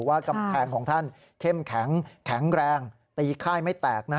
ว่ากำแพงของท่านเข้มแข็งแรงตีค่ายไม่แตก